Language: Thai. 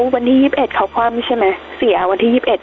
วันที่๒๑เขาคว่ำใช่ไหมเสียวันที่๒๑